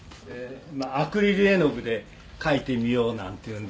アクリル絵の具で描いてみようなんていうんで」